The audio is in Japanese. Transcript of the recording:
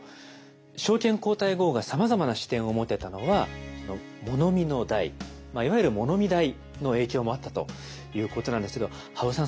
昭憲皇太后がさまざまな視点を持てたのは物見の台いわゆる物見台の影響もあったということなんですけど羽生さん